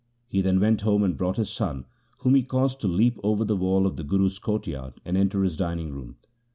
He then went home and brought his son, whom he caused to leap over the wall of the Guru's courtyard and enter his dining room.